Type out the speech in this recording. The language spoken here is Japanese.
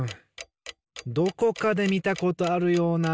どこかでみたことあるような。